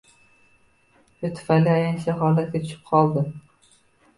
Shu tufayli ayanchli holatga tushib qoldi